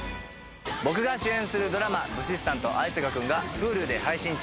僕が主演するドラマ『武士スタント逢坂くん！』がＨｕｌｕで配信中。